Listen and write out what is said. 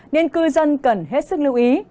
nên cư dân cần hết sức lưu ý